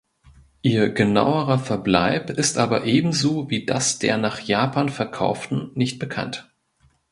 Ihr genauerer Verbleib ist aber ebenso wie das der nach Japan verkauften nicht bekannt.